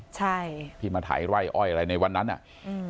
ใช่ที่มาถ่ายว่ายอ้อยอะไรในวันนั้นน่ะ